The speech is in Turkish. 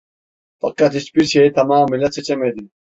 Fakat hiçbir şeyi tamamıyla seçemedi.